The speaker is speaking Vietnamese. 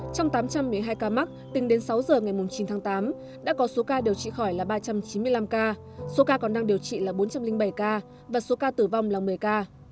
trong tám trăm một mươi hai ca mắc tính đến sáu giờ ngày chín tháng tám đã có số ca điều trị khỏi là ba trăm chín mươi năm ca số ca còn đang điều trị là bốn trăm linh bảy ca và số ca tử vong là một mươi ca